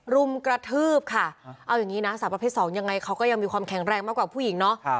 รุมกระทืบค่ะเอาอย่างนี้นะสาวประเภท๒ยังไงเขาก็ยังมีความแข็งแรงมากกว่าผู้หญิงเนาะ